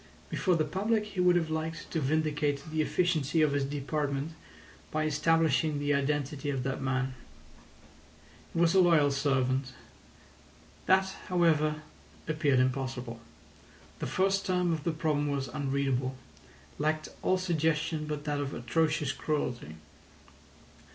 Before the public he would have liked to vindicate the efficiency of his department by establishing the identity of that man. He was a loyal servant. That, however, appeared impossible. The first term of the problem was unreadable—lacked all suggestion but that of atrocious cruelty.